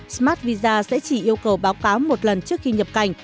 smart visa sẽ chỉ yêu cầu báo cáo một lần trước khi nhập cảnh